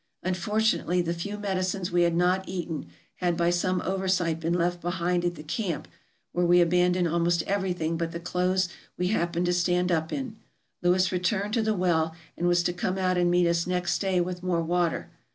Unfortunately, the few medicines we had not eaten had by some oversight been left behind at the camp, where we abandoned almost everything but the clothes we happened to stand up in. Lewis returned to the well, and was to come out and meet us next day with more water.